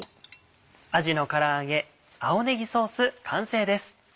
「あじのから揚げ青ねぎソース」完成です。